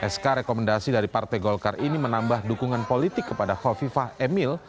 sk rekomendasi dari partai golkar ini menambah dukungan politik kepada kofifah emil